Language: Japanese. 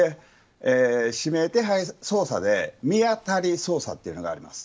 指名手配捜査で見当たり捜査というのがあります。